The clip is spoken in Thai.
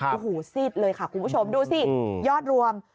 โอ้โหซีดเลยค่ะคุณผู้ชมดูสิยอดรวม